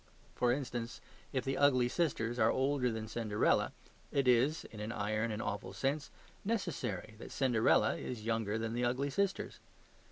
For instance, if the Ugly Sisters are older than Cinderella, it is (in an iron and awful sense) NECESSARY that Cinderella is younger than the Ugly Sisters.